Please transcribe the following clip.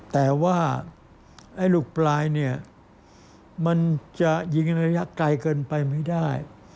แต่ว่าไอ้ลูกปลายเนี่ยมันจะยิงระยะไกลเกินไปไม่ได้